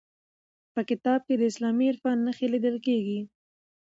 په کتاب کې د اسلامي عرفان نښې لیدل کیږي.